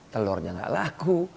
telurnya nggak laku